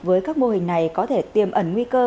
với các mô hình này có thể tiềm ẩn nguy cơ